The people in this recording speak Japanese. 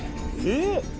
えっ！